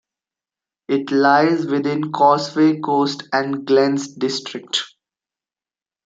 It lies within Causeway Coast and Glens district.